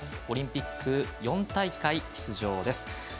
オリンピック４大会出場です。